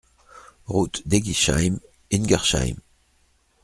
Route d'Éguisheim, Ingersheim